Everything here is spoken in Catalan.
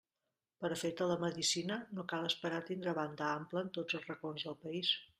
Per a fer telemedicina, no cal esperar a tindre banda ampla en tots els racons del país.